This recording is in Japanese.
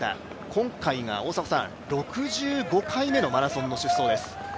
今回が６５回目のマラソンの出走です。